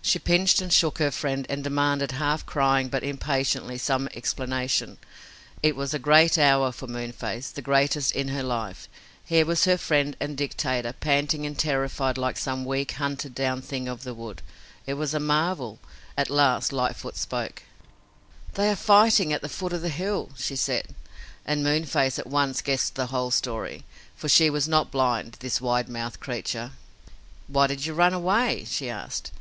She pinched and shook her friend and demanded, half crying but impatiently, some explanation. It was a great hour for Moonface, the greatest in her life. Here was her friend and dictator panting and terrified like some weak, hunted down thing of the wood. It was a marvel. At last Lightfoot spoke: "They are fighting at the foot of the hill!" she said, and Moonface at once guessed the whole story, for she was not blind, this wide mouthed creature. "Why did you run away?" she asked.